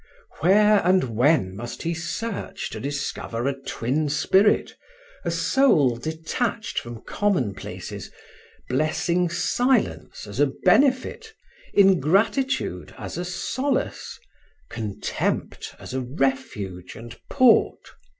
Where and when must he search to discover a twin spirit, a soul detached from commonplaces, blessing silence as a benefit, ingratitude as a solace, contempt as a refuge and port?